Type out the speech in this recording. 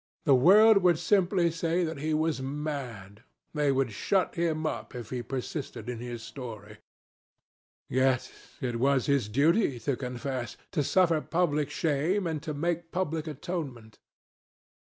The world would simply say that he was mad. They would shut him up if he persisted in his story.... Yet it was his duty to confess, to suffer public shame, and to make public atonement.